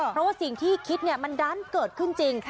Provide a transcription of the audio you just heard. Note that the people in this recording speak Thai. เพราะว่าสิ่งที่คิดมันดันเกิดขึ้นจริง